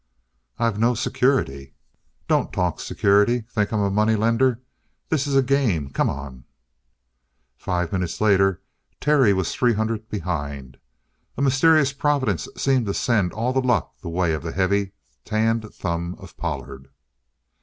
"I've no security " "Don't talk security. Think I'm a moneylender? This is a game. Come on!" Five minutes later Terry was three hundred behind. A mysterious providence seemed to send all the luck the way of the heavy, tanned thumb of Pollard.